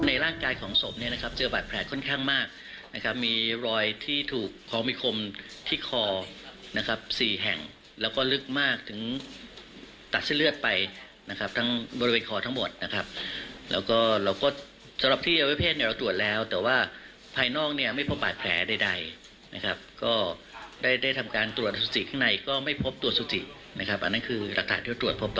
ตรวจสุจิข้างในก็ไม่พบตรวจสุจินะครับอันนั้นคือรักษาที่ตรวจพบตอนนี้นะครับ